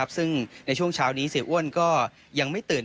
ซึ่งในช่วงเช้านี้เสียอ้วนก็ยังไม่ตื่น